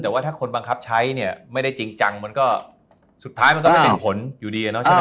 แต่ว่าถ้าคนบังคับใช้เนี่ยไม่ได้จริงจังมันก็สุดท้ายมันก็ไม่เป็นผลอยู่ดีใช่ไหม